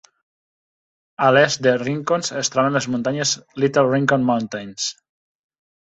A l'est de Rincons es troben les muntanyes Little Rincon Mountains.